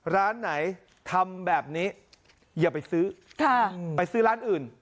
ร้านไหนทำแบบนี้อย่าไปซื้อไปซื้อร้านอื่น